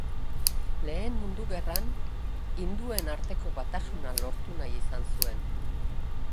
Lehen Mundu Gerran hinduen arteko batasuna lortu nahi izan zuen.